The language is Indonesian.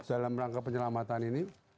dalam rangka penyelamatan ini